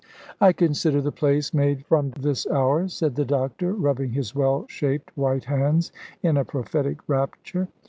"I consider the place made from this hour," said the doctor, rubbing his well shaped white hands in a prophetic rapture.